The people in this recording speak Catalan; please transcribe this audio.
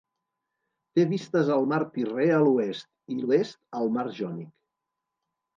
Té vistes al mar Tirrè a l'oest, i l'est al mar Jònic.